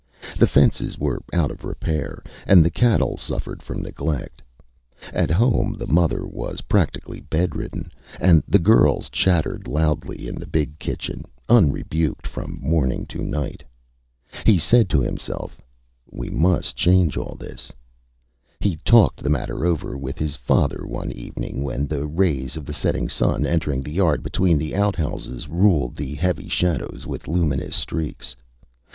The fences were out of repair, and the cattle suffered from neglect. At home the mother was practically bedridden, and the girls chattered loudly in the big kitchen, unrebuked, from morning to night. He said to himself: ÂWe must change all this.Â He talked the matter over with his father one evening when the rays of the setting sun entering the yard between the outhouses ruled the heavy shadows with luminous streaks.